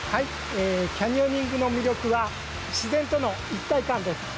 キャニオニングの魅力は自然との一体感です。